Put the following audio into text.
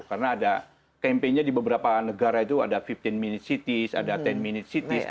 karena ada campaign nya di beberapa negara itu ada lima belas minute cities ada sepuluh minute cities